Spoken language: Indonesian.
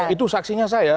itu saksinya saya